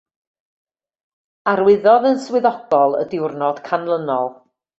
Arwyddodd yn swyddogol y diwrnod canlynol.